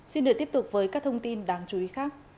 xin được tiếp tục với các thông tin đáng chú ý khác